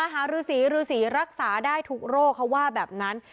หารือสีฤษีรักษาได้ทุกโรคเขาว่าแบบนั้น